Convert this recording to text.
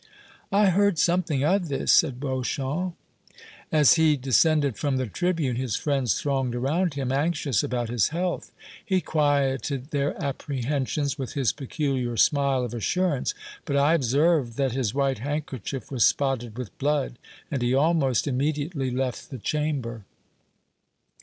"I heard something of this," said Beauchamp. "As he descended from the tribune his friends thronged around him, anxious about his health. He quieted their apprehensions with his peculiar smile of assurance, but I observed that his white handkerchief was spotted with blood, and he almost immediately left the Chamber."